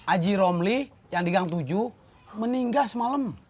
aji romli yang di gang tujuh meninggal semalam